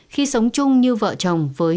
khi sống chung như vợ chồng với